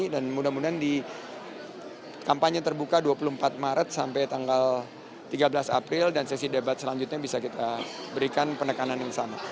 dan mudah mudahan di kampanye terbuka dua puluh empat maret sampai tanggal tiga belas april dan sesi debat selanjutnya bisa kita berikan penekanan yang sama